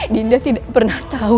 dinda tidak pernah tahu